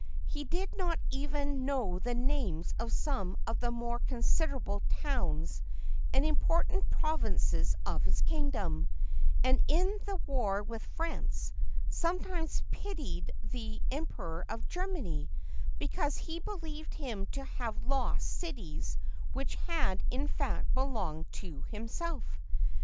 He did not even know the names of some of the more consid erable towns and important provinces of his kingdom; and, in the war with France, sometimes pitied the Em peror of Germany because he believed him to have lost cities which had, in fact, belonged to himself.